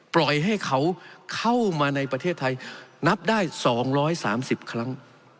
ปล่อยให้เขาเข้ามาในประเทศไทยนับได้๒๓๐ครั้ง